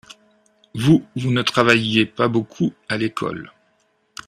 Vous, vous ne travailliez pas beaucoup à l’école.